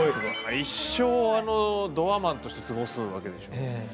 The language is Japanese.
一生あのドアマンとして過ごすわけでしょ。